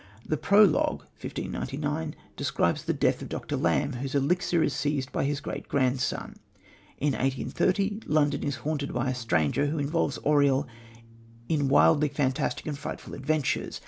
The Prologue (1599) describes the death of Dr. Lamb, whose elixir is seized by his great grandson. In 1830 London is haunted by a stranger, who involves Auriol in wildly fantastic and frightful adventures.